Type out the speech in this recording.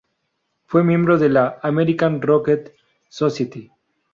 Fue miembro de la American Rocket Society.